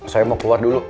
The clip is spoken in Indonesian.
saya mau keluar dulu